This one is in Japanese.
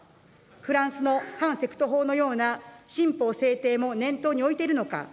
フランスの反セクト法のような新法制定も念頭に置いているのか。